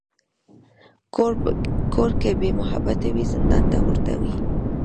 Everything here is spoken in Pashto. کور که بېمحبته وي، زندان ته ورته وي.